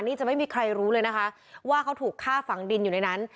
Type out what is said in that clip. นี่จะไม่มีใครรู้เลยนะคะว่าเขาถูกฆ่าฝังดินอยู่ในนั้น